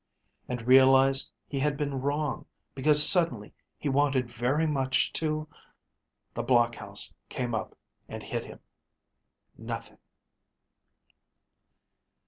and realized he had been wrong because suddenly he wanted very much to ... (The block house came up and hit him.) ... Nothing.